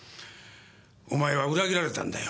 お前は裏切られたんだよ